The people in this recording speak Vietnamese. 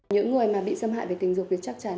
những người bị xâm hại tình dục chắc chắn